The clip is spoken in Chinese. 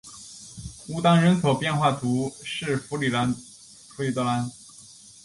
乌当人口变化图示弗里德兰